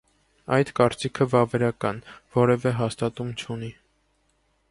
Այդ կարծիքը վավերական որևէ հաստատում չունի։